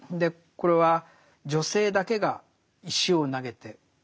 これは女性だけが石を投げて処刑されると。